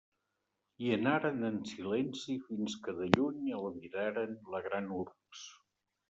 I anaren en silenci fins que de lluny albiraren la gran urbs.